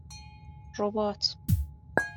رباط